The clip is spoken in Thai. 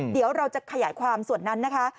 เดี๋ยวเราจะขยายความส่วนนั้นนะคะ